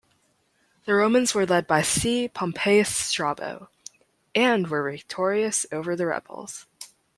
The Romans were led by C. Pompeius Strabo, and were victorious over the rebels.